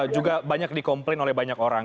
juga banyak dikomplain oleh banyak orang